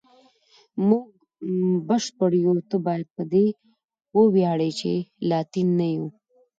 موږ بشپړ یو، ته باید په دې وویاړې چې لاتین نه یې.